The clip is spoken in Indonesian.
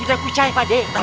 lihat ya baju hitam